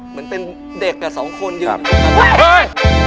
เหมือนเป็นเด็กกับสองคนครับ